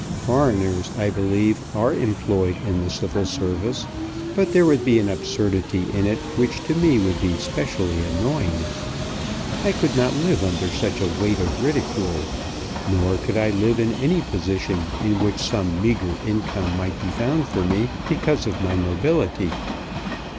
Foreigners, I believe, are employed in the Civil Service. But there would be an absurdity in it which to me would be specially annoying. I could not live under such a weight of ridicule. Nor could I live in any position in which some meagre income might be found for me because of my nobility.